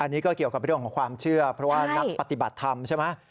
อันนี้ก็เกี่ยวกับเรื่องของความเชื่อเพราะว่านักปฏิบัติธรรมใช่ไหม